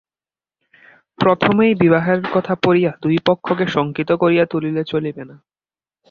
প্রথমেই বিবাহের কথা পাড়িয়া দুই পক্ষকে সশঙ্কিত করিয়া তুলিলে চলিবে না।